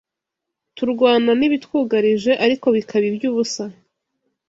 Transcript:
Turwana n’ibitwugarije ariko bikaba iby’ubusa